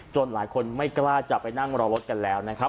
หลายคนไม่กล้าจะไปนั่งรอรถกันแล้วนะครับ